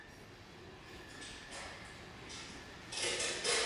Tato spolupráce přinesla nádherné ovoce.